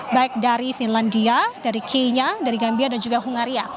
baik dari finlandia dari kenya dari gambia dan juga hungaria